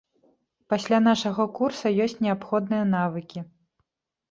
Пасля нашага курса ёсць неабходныя навыкі.